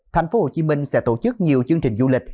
tp hcm sẽ tổ chức nhiều chương trình du lịch